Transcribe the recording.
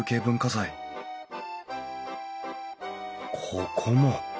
ここも。